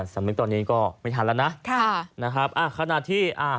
สำหรับตอนนี้ก็ไม่อาจทานแล้ว๕นะครับอ้ะขนาดที่อ่า